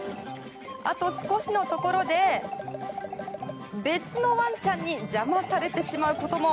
あと少しのところで別のワンちゃんに邪魔されてしまうことも。